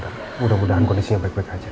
mudah mudahan kondisinya baik baik aja